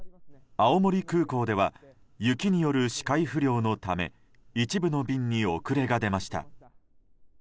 青森空港では雪による視界不良のため一部の便に遅れが出ました。